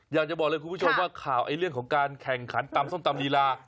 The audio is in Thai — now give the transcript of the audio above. อยากจะบอกเลยคุณผู้ชมว่าข่าวเรื่องของการแข่งขันตำส้มตำลีลา